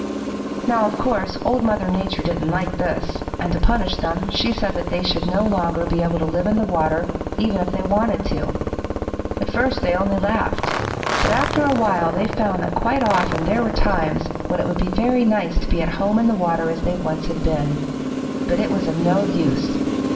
"Now, of course, Old Mother Nature didn't like this, and to punish them she said that they should no longer be able to live in the water, even if they wanted to. At first they only laughed, but after a while they found that quite often there were times when it would be very nice to be at home in the water as they once had been. But it was of no use.